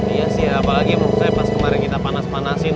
iya sih apalagi pas kemarin kita panas panasin